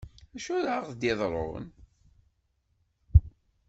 D acu ara ɣ-d-iḍrun?